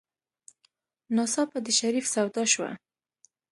ناڅاپه د شريف سودا شوه.